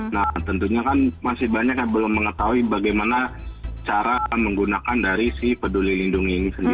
nah tentunya kan masih banyak yang belum mengetahui bagaimana cara menggunakan dari si peduli lindungi ini sendiri